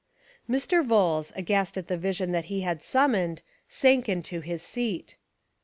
Mr. Vholes, aghast at the vision that he had summoned, sank into his seat.